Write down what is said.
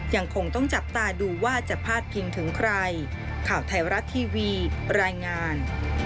ยังคงต้องจับตาดูว่าจะพาดพิงถึงใครข่าวไทยรัฐทีวีรายงาน